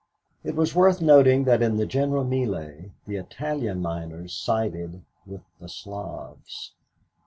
It was worth noting that in the general mêlée the Italian miners sided with the Slavs.